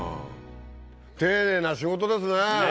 丁寧な仕事ですねぇ！